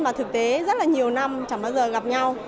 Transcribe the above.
và thực tế rất là nhiều năm chẳng bao giờ gặp nhau